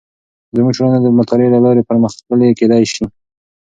زموږ ټولنه د مطالعې له لارې پرمختللې کیدې شي.